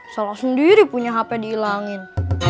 solo sendiri punya hp dihilangin